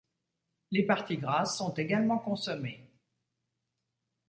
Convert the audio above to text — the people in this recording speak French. Les parties grasses sont également consommée.